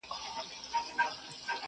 د پسونوتر زړو ویني څڅېدلې،